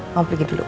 mau pergi dulu